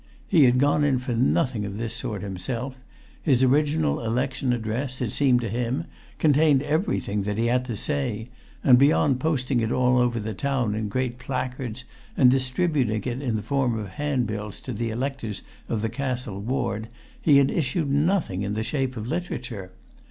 He had gone in for nothing of this sort himself: his original election address, it seemed to him, contained everything that he had to say, and beyond posting it all over the town in great placards and distributing it in the form of handbills to the electors of the Castle Ward he had issued nothing in the shape of literature.